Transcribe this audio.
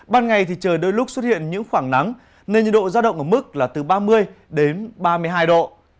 ban ngày thì trời đôi lúc xuất hiện những khoảng nắng nên nhiệt độ giao động ở mức là từ ba mươi đến ba mươi hai độ